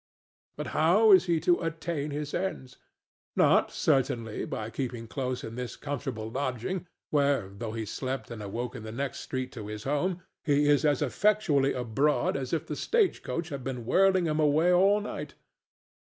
But how is he to attain his ends? Not, certainly, by keeping close in this comfortable lodging, where, though he slept and awoke in the next street to his home, he is as effectually abroad as if the stage coach had been whirling him away all night.